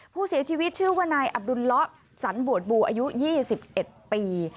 ผู้เสียชีวิตชื่อว่านายอับดุลละสันบวชบูอายุ๒๑ปี